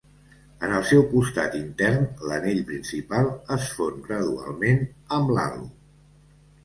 En el seu costat intern, l'anell principal es fon gradualment amb l'halo.